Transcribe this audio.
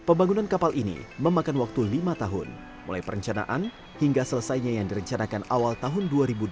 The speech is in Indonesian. pembangunan kapal ini memakan waktu lima tahun mulai perencanaan hingga selesainya yang direncanakan awal tahun dua ribu dua puluh